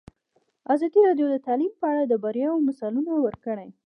ازادي راډیو د تعلیم په اړه د بریاوو مثالونه ورکړي.